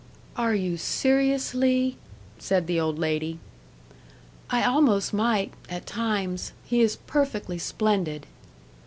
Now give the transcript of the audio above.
"Are you seriously " said the old lady. "I almost might at times. He is perfectly splendid."